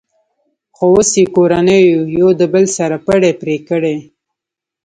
خو اوس یې کورنیو یو د بل سره پړی پرې کړی.